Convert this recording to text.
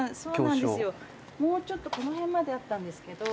もうちょっとこの辺まであったんですけど。